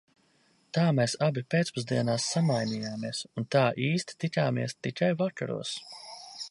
Tā mēs abi pēcpusdienās samainījāmies un tā īsti tikāmies tikai vakaros.